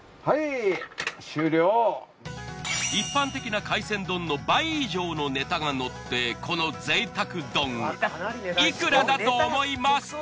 一般的な海鮮丼の倍以上のネタがのってこの贅沢丼いくらだと思いますか？